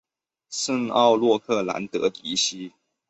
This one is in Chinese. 圣奥诺兰德迪西。